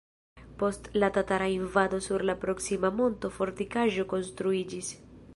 Post la tatara invado sur la proksima monto fortikaĵo konstruiĝis.